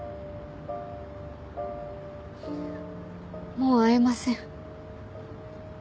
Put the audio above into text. もう会えません。